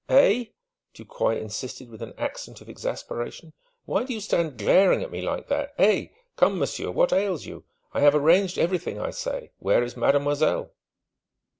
"Eh?" Ducroy insisted with an accent of exasperation. "Why do you stand glaring at me like that eh? Come, monsieur: what ails you? I have arranged everything, I say. Where is mademoiselle?"